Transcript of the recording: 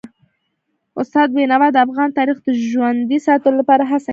استاد بینوا د افغان تاریخ د ژوندي ساتلو لپاره هڅه کړي ده.